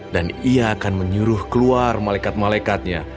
dan ia akan menyuruh keluar malekat malekatnya